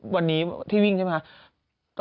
วันนี้ที่วิ่งใช่บ้างครับ